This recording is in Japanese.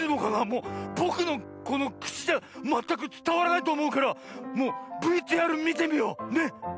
もうぼくのこのくちじゃまったくつたわらないとおもうからもうＶＴＲみてみよう。ね？